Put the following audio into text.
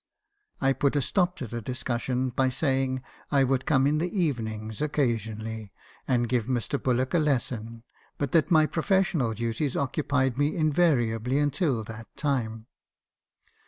"I put a stop to the discussion by saying I would come in in the evenings occasionally, and give Mr. Bullock a lesson, but that my professional duties occupied me invariably until that time.